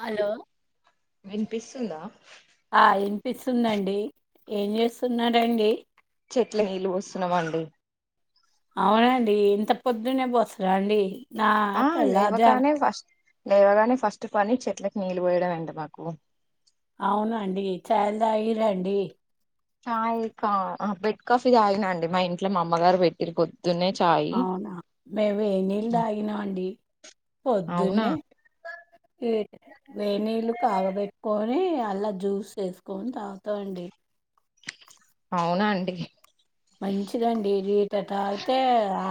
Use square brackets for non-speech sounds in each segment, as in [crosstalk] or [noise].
Hello వినిపిస్తుందా ఆ ఇనిపిస్తుందండి ఏం చేస్తున్నారండి చెట్లకు నీళ్ళు పోస్తున్నామండి అవునండి ఇంత పొద్దునే పోస్తరా అండి నా ఆ తెల్లారు జామున లేవగానే ఫస్ట్ లేవగానే ఫస్ట్ పని చెట్లకి నీళ్ళు పోయడం అండి మాకు అవునండి ఛాయలు తాగిర్రా అండి చాయ్ కా ఆ బెడ్ కాఫీ తాగినా అండి మా ఇంట్లో మా అమ్మగారు పెట్టిర్రు పొద్ అవునా మేము వేనీళ్ళు తాగినాం అండి అవునా పొద్దున్నే ఈ వేనీళ్లు కాగబెట్టుకొని అన్లా జ్యూస్ వేసుకొని తాగుతాం అండి అవునా అండి మంచిదండి లీటర్ తాగితే ఆ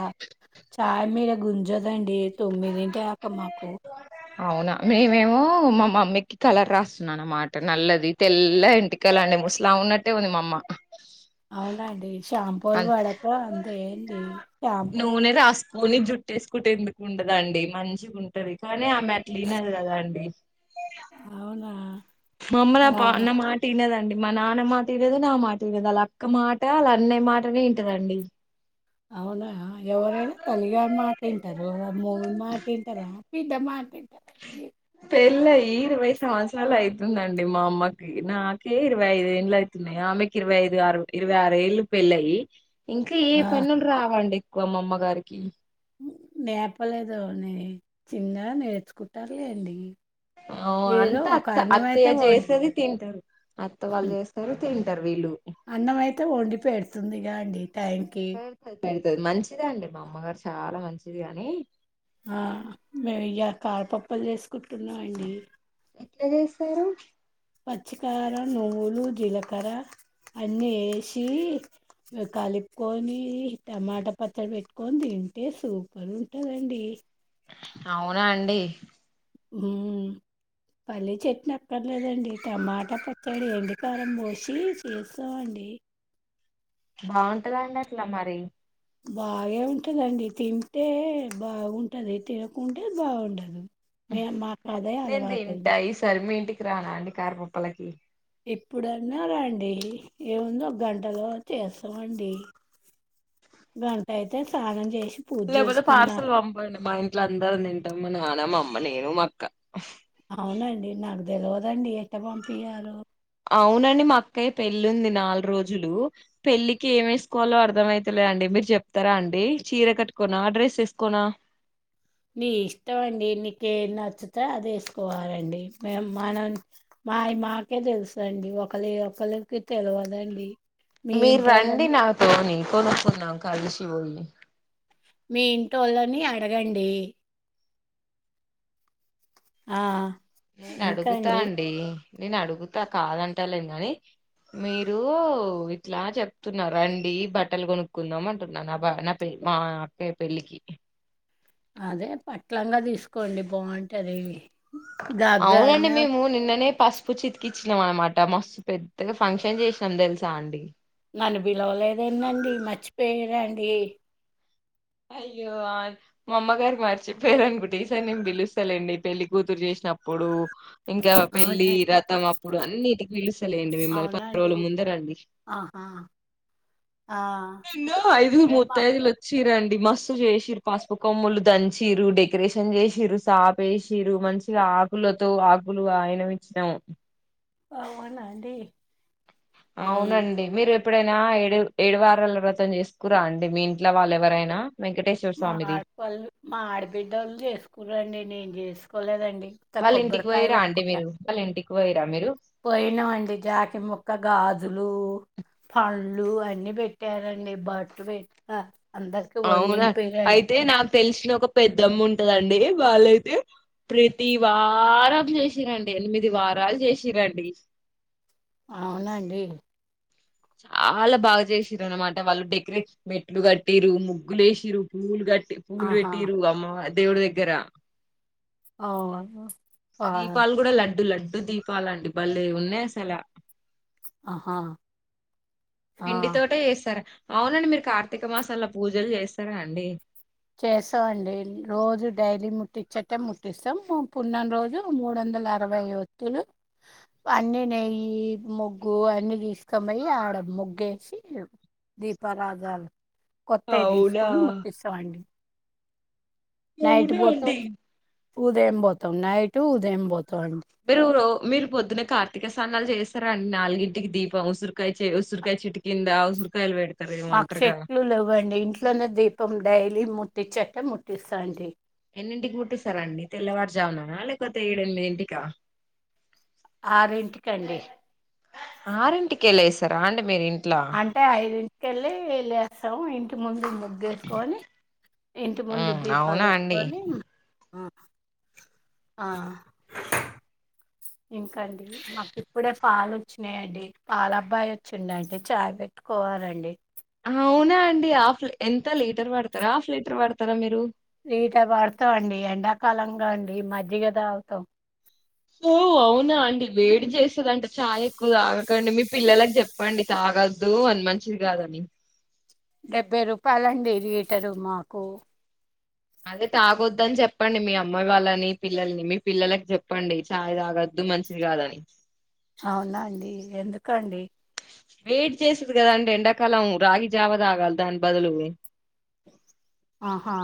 చాయ్ మీద గుంజదండి తొమ్మిదింటి దాక మాకు అవునా మేమేమో మా మమ్మీకి కలర్ రాస్తున్నా అన్నమాట నల్లది తెల్ల ఎంటికలు అండి ముసలామే ఉన్నట్టే ఉంది మా అమ్మ అవునండి షాంపూలు పడక అంతే అండి షాంపూ నూనే రాస్ కొని జుట్టేసుకుంటే ఎందుకు ఉండదండి మంచిగుంటది కానీ ఆమె అట్లా ఇనదు కదండి అవునా మా అమ్మా నా పా ఆ! నా మాట ఇనదండి మా నాన్న మాట ఇనదు నా మాట ఇనదు ఆళ్ల అక్క మాట వాళ్ అన్నయ్య మాటనే ఇంటదండి అవునా ఎవరేనా తల్లిగారు మాటింటారు మొగలు మాట ఇంటరా బిడ్డ మాట్ పెళ్ళయి ఇరవై సంవత్సరాలు అయితుందండి మా అమ్మకి నాకే ఇరవై ఐదు ఎన్లు అయితున్నాయి ఆమెకి ఇరవై ఐదు ఆరు ఇరవై ఆరు ఏళ్ళలు పెళ్ళయి ఇంకా ఏ ఆ! పనులు రావండి వమ్మమ్మ గారికి నేర్పలేదు నే చిన్నగా నేర్చుకుంటారులేండి అ ఏదో అంత ఒక అత్త అన్నమైతే అత్తయ్య వండి చేసేది తింటారు అత్త వాళ్ళు చేస్తారు తింటారు తర్విలు అన్నం అయితే వండి వండి పెడుతుంది గా అండి థ్యాంక్ యూ పెడుతుంది మంచిదే అండి మా అమ్మగారు చాలా మంచిది కానీ ఆ మేము ఇయాలా కారపప్పులు చేసుకుంటున్నాం అండి ఎట్ల చేస్తారు పచ్చికార నువ్వులు జిలకర అన్నీ వేసి కలుపుకొని టమాటా పచ్చడి పెట్టుకొని తింటే సూపర్ ఉంటాదండి అవునా అండి హ్మ్మ్ పల్లె చెట్ని అక్కర్లేదండి టమాటా పచ్చడి ఎండికారం పోసి చేస్తామండి బాగుంటదండి అట్లా మరి బాగే ఉంటదండి తింటే బాగుంటది తినకుంటే బాగుండదు నేన్ తింట ఈ సారి మీ ఇంటికి రా ర అండి కార్ పప్పలకి ఇప్పుడన్నా రండి. ఏముంది ఒక గంటలో చేస్తామండి. గంట అయితే స్నానం చేసి పూజ లేకపోతే చేసుకున్నా. పార్సల్ పంపండి. మా ఇంట్లో అందరూ తింటాం. మా నాన్నమా అమ్మ మనీ నేను క్క అవునండి నాక్ తెలవదండి ఎట్ల పంపియ్యాలో అవునండి మా అక్కయ్య పెళ్ళి ఉంది. నాలుగు రోజులు పెళ్ళికి ఏం వేసుకోవాలో, అర్థమైతలేదండి. మీరు చెప్తారా అండి. చీర కట్టుకోనా, డ్రెస్ వేసుకోనా నీ ఇష్టం అండి నీకేది నచ్చితే అదే వేసుకోవాలండి. మే మనం మాయ మాకే తెలుసండి. ఒకళవి ఒకరికి తెలవదండి. మీ మీరు రండి ఇంటోళ్ళని నా తోని కొనుక్కున్నాం కలసి పోయి మీ ఇంటోళ్ళని అడగండి ఆ నేను అడుగుతా అండి నేను అడుగుతా కాదంటలేని కాని, మీరూ ఇట్లా చెప్తున్నారు. రండి బట్టలు కొనుక్కుందాం. అంటున్నారు. నా బ నా పెల్ మా అక్కేయ్య పెళ్ళికి అదే పట్లంగా తీసుకోండి బాగుంటదీ అవునండి మేము నిన్ననే పసుపు చితికిచ్చినాం. అనమాట మస్తు పెద్దగా ఫంక్షన్ చేసినాం తెలుసా అండి. నన్ను పిలవలేదేందండి మర్చిపోయారా అండి అయ్యో మా ఆ అమ్మగారు మర్చిపోయారు అనుకుంట. ఈ సారీ నేను పిలుస్తాలేండి. పెళ్లికుతురు చేసినప్పుడూ ఇంకా పెళ్లి అవునా వ్రతం అప్పుడు అన్నిటికి పిలుస్తలేండి. మిమ్మల్ని పది అవునండి రోజుల ముందే రండి. ఆహా ఆ ఐదు రేపు ముత్త ఐదులు వచ్చి రండి. డి మస్తు చేసిరు. పసుపు కొమ్ములు దంచిరు. డెకరేషన్ చేసిరు. సాపేసిరు. మంచిగా ఆకులతో ఆకులు ఆయనము ఇచ్చినాము. అవునా అండి ఉమ్ అవునండి మీరు ఎప్ ఎప్పుడైనా ఏడు ఏడు వారాల వ్రతం చేసుకుర్రా అండి మీ ఇంట్లో వాళ్ళు ఎవరైనా వెంకటేశ్వర మా స్వామిది ఆడవాళ్ళు మా ఆడబిడ్డోళ్లు చేసుకురండి నేను చేసుకు పోలేదండి ఇంత వాళ్ళ ఇంటికి కొబ్బరికాయ పోయిరా అండి కొట్టుకుంటాన్ మీరు వాళ్ళ ఇంటికి పోయిరా మీరు పోయినమండి జాకి ముక్క గాజులు పండ్లు అన్ని పెట్టారండి బట్టు పెట్ట అందరికి వడ్ నిం అవునా అయితే నాక్ తెలిసిన ఒక పెద్దమ్మ ఉంటదండి వాళ్ళయితే, ప్రతి వారం చేసిరండి. ఎనిమిది వారాలు చేసిరండి. అవునండి చాలా బాగా చేసిర్రు అనమాట వాళ్ళు డెకరేట్ మెట్లు కట్టిరు ముగ్గులు వేసిరు పువ్వులు కట్టి పూల్ ఆహా వెట్టిరు అమ్మవారికి దేవుడు దగ్గర అవు దీపాలు కూడా లడ్డు లడ్డు డు దీపాలండి భలే గున్నాయి అసలు ఆహా ఆ పిండి తోట చేస్తార్ అవునండి మీరు కార్తీక మాసంలో పూజలు చేస్తారా అండి చేస్తామండి రోజు డైలీ ముట్టించట్టే ముట్టిస్తాం పున్నం రోజు మూడు వందల అరవై ఒత్తులు అన్ని నెయ్యి ముగ్గు అన్ని తీసుక పోయి ఆడ ముగ్గేసి దీపారాగాలు కొత్తవి అవునా తీసుకొని ముట్తిస్తామండి అవునా పోతాం అండి ఉదయం పోతాం నైట్ ఉదయం పోతాం అండి మీరు రో మీరు పొద్దున కార్తీక సానాలు చేస్ స్తార అండి నాలుగుగింటికి దీపం ఉసిరికాయ ఉసిరుకాయ చెట్టు కింద ఉసిరికాయలు పెడు మాకు చెట్లు లెవ్వండి ఇంట్లోనే దీపం డైలీ ము చట్టి ముట్టిస్తాండి ఎన్నింటికి కపోతే ఏడు ఎనిమిదింటి కా ఆరింటికండి రాండి మీర్ అంటే ఐదుంటికెళ్ళి స్తం ఇంటి ముందు ముగ్గేసుకొని ఇంటి ముందు మ్మ్ దీపాలు అవునా అండి పెట్టుకొని ఆ ఇంకాండి మాకు ఇప్పుడే పాలు వచ్చినాయండి పాల అబ్బాయి వచ్చిండండి చాయ్ పెట్టుకోవాలండి అవునా అండి హాఫ్ ఎంత లీటర్ వాడతారా హాఫ్ లీటర్ వాడతారా మీరు లీటర్ వాడతాం అండి ఎండాకాలంగా అండి మజ్జిగ దాగ్ తం ఓ అవునా అండి వేడి చేస్తదంటే చాయ ఎక్కువ తాగకండి మీ పిల్లలకి చెప్పండి తాగొద్దు అని మంచిది కాదని డెబ్బై రూపాయలండి లీటరు మాకు అదే తాగొద్దని చెప్పండి మీ అమ్మాయి వాళ్ళని పిల్లలని మీ పిల్లలకి చెప్పండి చఛాయ్ తాగొద్దు మంచిది కాదని అవునాండి ఎందుకండి వెయిట్ చేస్తుది కదా అండి ఎండాకాలం రాగి జావ తాగాలి దాని బదులు ఆహా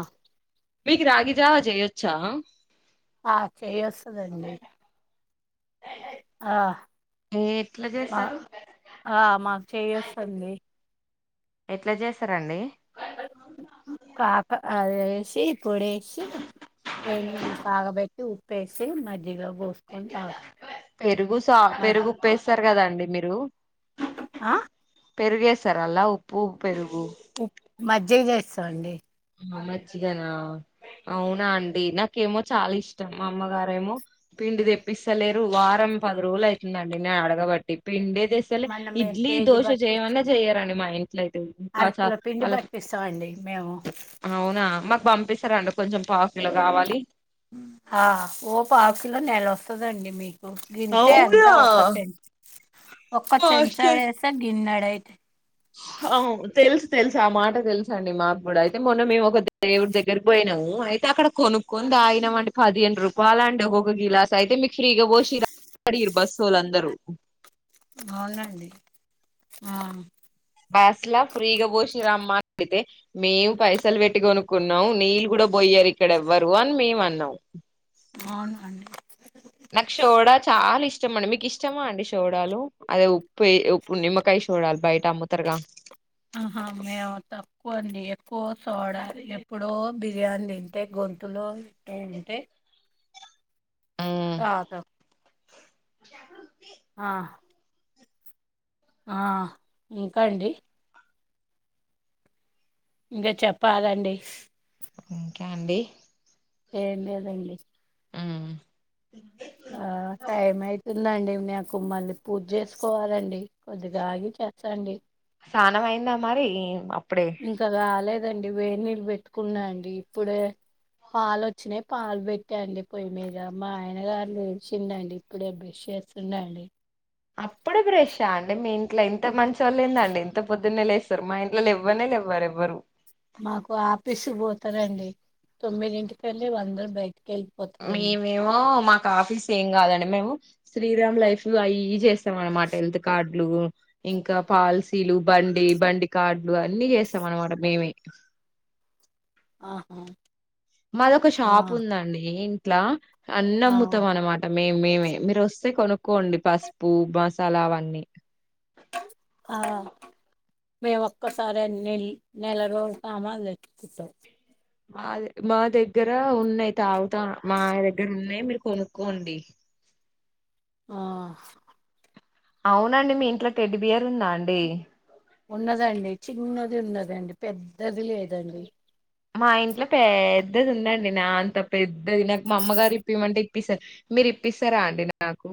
మీకు రాగిజావా చేయొచ్చా ఆ చేయొస్తుందండి ఆ ఎట్లా అ చేస్తారు ఆ మాకు చేయస్తుంది ఎట్లా చేస్తారండి కాకా అదే స కుడేసి ఏన్నిళ్లు కాగిబెట్టి ఉపేసే మరి పెరుగు సా మ పెరుగుప్పేస్ ఇస్తారు కదా అండి మీరు ఆ పెరిగేస్తారలా ఉప్పు పెరుగు ఉ మజ్జిగ చేస్తం అండి. మజ్జిగనా. అవునా అండి నాకేమో చాలా ఇష్టం. మా అమ్మగారేమో పిండి తెప్పిస్తలేరు. వారం పది రోజులు అయితుందండి నేన్ అడగబట్టి, పిండే తెస్తలేే. మనం మేము ఇడ్లీ కేజీ దోశ బట్టి చేయమన్నా చేయ్యరండి మా ఇంట్లో అయితే. ఇంకాస అరకిలో పిండి వాళ్ళకి పట్టిస్తామండి మేము అవునా మాకు పంపిస్తారండి కొంచెం పావుకిలో కావాలి. ఆ ఓ పావు కిలో నెల వస్తదండి మీక్. కు. గింతే అవునా అంతా ఒక టెన్ ఒక్క చెంచా వేస్తే గిన్ గిన్నడయిత అవు తెల్సు తెల్సు ఆ మాట తెల్సు అండి మాకు గూడా, అయితే మొన్న మేము ఒక దేవుడి దగ్గరకి పోయినమూ అయితే అక్కడ కొనుక్ కొని తాగినం అండి పదిఏను రూప్ పాలాండి ఒక ఒక గిలాస్ అయితే మీకు ఫ్రీగా పోశిర్రా అడిగిరు బస్ సోల్ అందరూ. అవునండి ఆ బాస్ లా ఫ్రీగ పోశిరమ్మా అడిగితే, మేము పైసల్ పెట్టి కొనుకున్నం నీలు కూడా బొయ్యరు ఇక్కడెవ్వరూ అని మేము అన్నం. అవునా అండి. నాకు శోడా చాలా ఇష్టం అండి. మీకు ఇష్టమా అండి శోడాలు. అదే ఉప్పే ఉప్పు నిమ్మకాయ శోడాల్ బయట్ ఆహా మేము తక్కువండి. కో శోడాలు. ఎప్పుడో బిర్యాని తింటే గొంతులో [inaudible] ఉంటే ఉమ్, తాత ఆ ఆ ఇంకా అండి. ఇంకా చెప్పాలండి. ఇంకా అండి. ఏం లేద్ దండి. ఉమ్ ఆ టైం అయితుందండి. నాకు మళ్ళీ పూజ చేసుకోవాలండి కొద్దిగా ఆగి చేస్తా అండి. స్నానం అయిందా మరీ అప్ ఇంకాగాలేద్. దండి వేడి నీళ్ళు పెట్టుకున్నా అండి ఇప్పుడే. పాలు వచ్చినయ్ పాలు పెట్టాండి పొయ్యి మీదా. మా ఆయన గారు లేచిండండి ఇప్పుడే బ్రష్ చేస్తుండండి. అప్పుడే బ్రెష్షా అండి మీ ఇంట్లో ఇంత మంచి చోల్లేందండి ఇంత పొద్దున్నే లేచ్ స్తర్ మా ఇంట్లో లెవ్వనే లెవ్వరు ఎవ్వరు. మాకు ఆఫీసు పోతరండీ. తొమ్మిదింటి కెళ్ళి అందరూ బయ మేమేమో మాకు ఆఫీస్ ఏం కాదండి మేము. శ్రీరామ్ లైఫు అయి ఇయి చేస్తాం అనమాట హెల్త్ కార్డులు, ఇంకా పాలసీలు, బండి బండి కార్డులు అన్నీ చేస్తాం అనమాట మేమే. ఆహా మాదొక ఆ షాప్ ఉందండీ. ఇట్లా అన్నీ ఆ అమ్ముతం అన్మాట మే మేమే మీరు వస్సే కొను కొండి పసుపు బస్ సాలా అవన్నీ ఆ మేము ఒక్కసారెన్ నేలి నేలరో సామాన్లు తెచ్చి తవ్ మా మా దగ్గర ఉన్నయ్ తావుత మా దగ్గర్నినున్నయ్ మీరు కొనుక్కోండి. ఆ అవునండి మీ ఇంట్లో టెడ్ బియర్ ఉందా అండి. ఉన్నదండి చిన్నది ఉన్నదండి పెద్దది లేదండి. మా ఇంట్లో పేద్దది ఉందండి నా అంత పెద్దది నాకు మా అమ్మగారు ఇప్పిమంటే ఇప్పిస్స మీరు ఇప్పిస్సారా అండి నాకు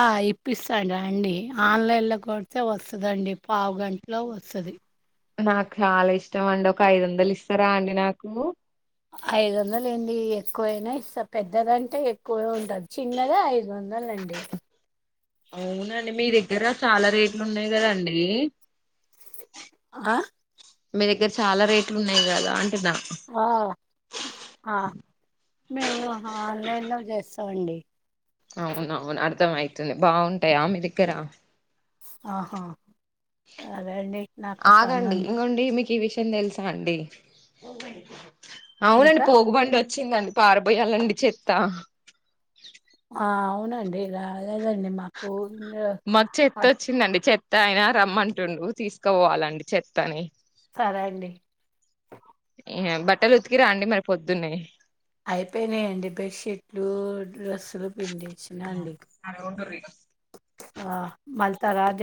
ఆ ఇప్పిస్సాన్ రండి ఆన్లైన్లో కొడ్తే వస్సదండి పావుగంట్లో వస్సది. నాక్ చాలా ఇష్టం అండి, ఒక ఐదువందలు ఇస్సరా అండి నాకు ఐదు వందలు ఏంటి ఎక్కువైనా ఇస్సా పెద్దదంటే ఎక్కువ ఉ టద్ చిన్నగా ఐదువందలండి. అవునండి మీ దగ్గర చాలా రేట్లు ఉన్నయి కదండి. ఆ మీ దగ్గర చాలా రేట్లు ఉన్నయి కదా అ ఆ అ మేము ఆన్లైన్లో చేస్ త్తమండి అవునవును అర్ధం అయితుంది బావుంటాయా, మీ దగ్గరా ఆహా అదే అండి నాకు పను కి విషం థెల్సా అండి. అవునండి ఇంకా పోగు బంటి వచ్చిందండి పారపోయాలండీ చెత్త ఆ అవును అండి ఇలా లేదండి మాకు ఇంగ ఆ టయనా రమ్మంటుండు తీసుకుపోవాలండి చెత్తని సరే అండి ఏం బట్టలు ఉతుకీర అండి మరీ పొద్దున్నే అయ్ పెయినయ్ అండి. బెసిట్లు, డ్రెస్సులు పిండేస్నండి. సరే ఉండుర్రి ఆ మల్త రాజె